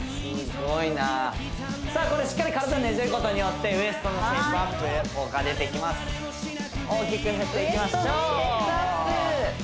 すごいなさあこれしっかり体ねじることによってウエストのシェイプアップ効果出てきます大きく振っていきましょうウエストのシェイプアップ！